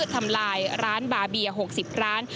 ทำลายร้านบาเบีย๖๐ร้าน